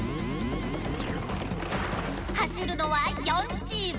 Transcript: はしるのは４チーム。